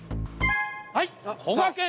はいこがけん！